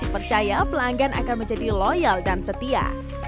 dan percaya pelanggan akan menjadi loyal dan setia